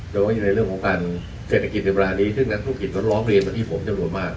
ว่าอยู่ในเรื่องของการเศรษฐกิจในเวลานี้ซึ่งนักธุรกิจเขาร้องเรียนมาที่ผมจำนวนมาก